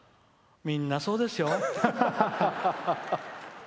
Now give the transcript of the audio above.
みんな、そうですよ。